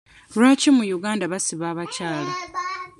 Lwaki mu Uganda basiba abakyala?